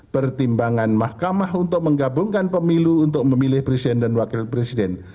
pertimbangan mahkamah untuk menggabungkan pemilu untuk memilih presiden dan wakil presiden